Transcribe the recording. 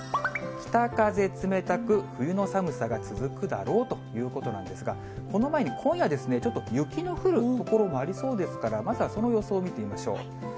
北風冷たく、冬の寒さが続くだろうということなんですが、この前に今夜、ちょっと雪の降る所もありそうですから、まずはその予想を見てみましょう。